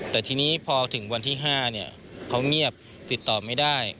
แต่ทีนี้พอถึงวันที่๕เขาเงียบติดต่อไม่ได้